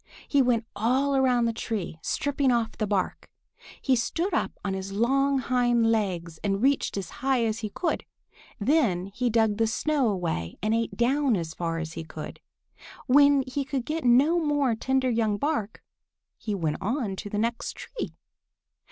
He went all around the tree, stripping off the bark. He stood up on his long hind legs and reached as high as he could. Then he dug the snow away and ate down as far as he could. When he could get no more tender young bark, he went on to the next tree.